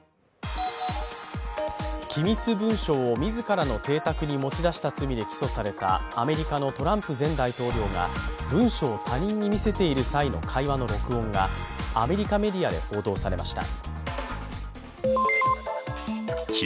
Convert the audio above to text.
機密文書を自らの邸宅に持ち出した罪で起訴されたアメリカのトランプ前大統領が、文書を他人に見せている際の会話の録音がアメリカメディアで報道されました。